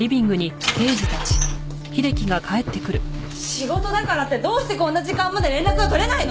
仕事だからってどうしてこんな時間まで連絡が取れないの！？